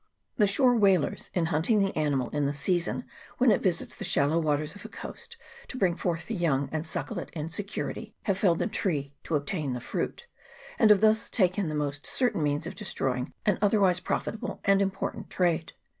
The shore whalers, in hunting the animal in the season when it visits the shallow waters of the coast to bring forth the young, and suckle it in security, have felled the tree to obtain the fruit, and have thus taken the most certain means of destroying an otherwise profitable and important trade.